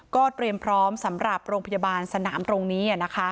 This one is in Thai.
ก็เตรียมพร้อมสำหรับโรงพยาบาลสนามตรงนี้